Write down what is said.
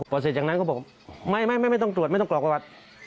พอเสร็จจากนั้นก็บอกไม่ต้องตรวจไม่ต้องกรอกประวัติ